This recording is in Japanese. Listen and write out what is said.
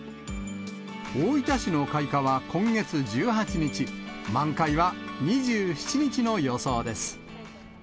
大分市の開花は今月１８日、満開は２７日の予想です。